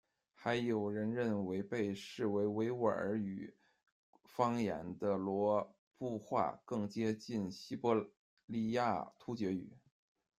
还有人认为被视为维吾尔语方言的罗布话更接近西伯利亚突厥语。